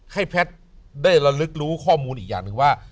ให้แพทย์ได้รับลึกลุ้ข้อมูลอีกอย่างคือว่า